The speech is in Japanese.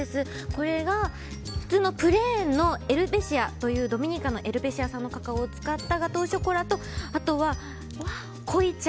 これが普通のプレーンのエルベシアというドミニカのエルベシア産のカカオを使ったガトーショコラと濃茶。